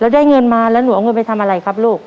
ได้เงินมาแล้วหนูเอาเงินไปทำอะไรครับลูก